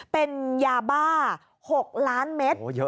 เป็นยาบ้า๖ล้านเมตร